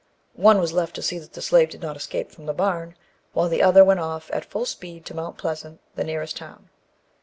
One was left to see that the slave did not escape from the barn, while the other went off at full speed to Mount Pleasant, the nearest town.